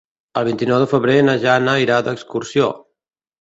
El vint-i-nou de febrer na Jana irà d'excursió.